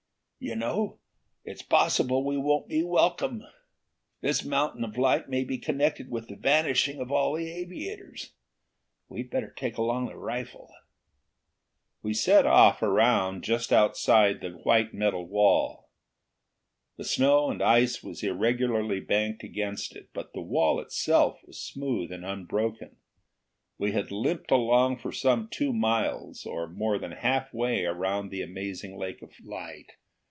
"You know it's possible we won't be welcome. This mountain of light may be connected with the vanishing of all the aviators. We'd better take along the rifle." We set off around just outside the white metal wall. The snow and ice was irregularly banked against it, but the wall itself was smooth and unbroken. We had limped along for some two miles, or more than halfway around the amazing lake of light.